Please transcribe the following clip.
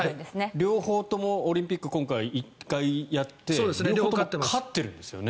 両方ともオリンピック今回１回やって両方とも勝ってるんですよね